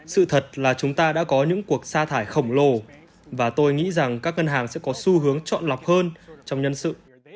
sự thật là chúng ta đã có những cuộc xa thải khổng lồ và tôi nghĩ rằng các ngân hàng sẽ có xu hướng chọn lọc hơn trong nhân sự